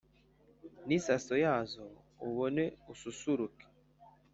N' isaso yazo ubone ususuruke